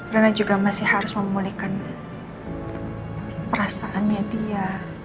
dana juga masih harus memulihkan perasaannya dia